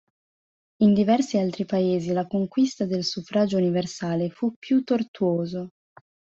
In diversi altri paesi la conquista del suffragio universale fu più tortuoso.